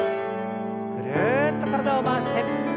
ぐるっと体を回して。